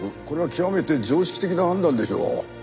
これは極めて常識的な判断でしょう。